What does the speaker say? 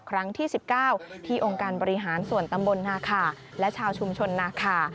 ครั้งที่๑๙ที่องค์การบริหารส่วนตำบลนาคาและชาวชุมชนนาคา